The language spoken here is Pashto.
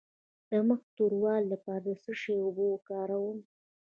د مخ د توروالي لپاره د څه شي اوبه وکاروم؟